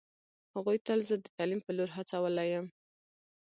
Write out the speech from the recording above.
هغوی تل زه د تعلیم په لور هڅولی یم